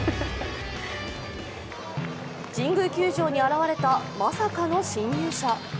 神宮球場に現れたまさかの侵入者。